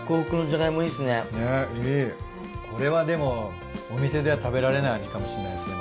ねっいいこれはでもお店では食べられない味かもしれないですね。